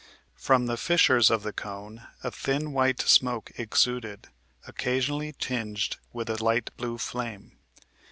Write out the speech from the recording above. From the fissures of the cone a thin white smoke exuded, occasionally tinged with a light blue flame.